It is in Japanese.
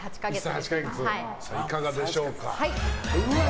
いかがでしょうか？